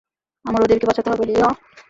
আমার ওদেরকে বাঁচাতে হবে, লিহ!